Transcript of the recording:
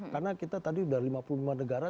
karena kita tadi udah lima puluh lima negara